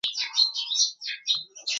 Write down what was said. ভিন্নধর্মীয় ব্যাটিংয়ে অভ্যস্ত ছিলেন।